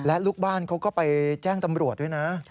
และลูกบ้านเขาก็ไปแจ้งตำรวจด้วยนะ